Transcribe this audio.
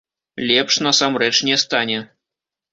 Лепш, насамрэч, не стане.